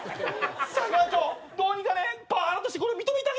裁判長どうにかねパワハラとしてこれ認めてあげてください。